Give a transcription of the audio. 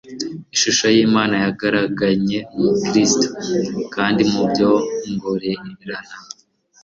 Ishusho y'Imana yagaraganye muri Kristo, kandi mu byongorerano,